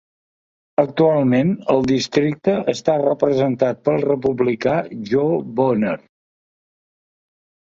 Actualment el districte està representat pel republicà Jo Bonner.